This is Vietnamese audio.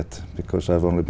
tôi hy vọng